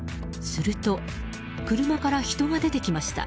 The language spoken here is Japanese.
すると、車から人が出てきました。